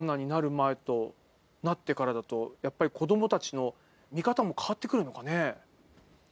コロナになる前と、なってからだと、やっぱり子どもたちの見方も変わってくるのかね。